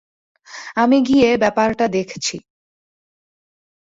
আমি গিয়ে ব্যাপারটা দেখছি।